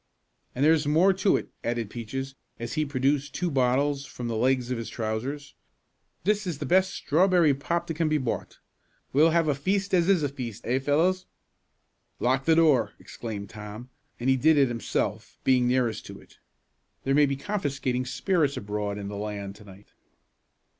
"And there's more to it," added Peaches, as he produced two bottles from the legs of his trousers. "This is the best strawberry pop that can be bought. We'll have a feast as is a feast; eh, fellows?" "Lock the door!" exclaimed Tom, and he did it himself, being nearest to it. "There may be confiscating spirits abroad in the land to night."